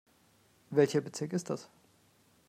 Welcher Bezirk ist das?